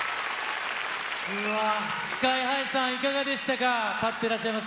ＳＫＹーＨＩさん、いかがでしたか？